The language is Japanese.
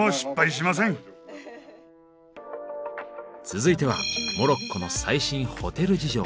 続いてはモロッコの最新ホテル事情。